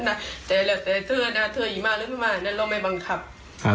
ครับ